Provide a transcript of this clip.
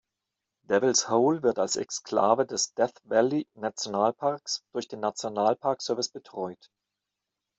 Devils Hole wird als Exklave des Death-Valley-Nationalparks durch den National Park Service betreut.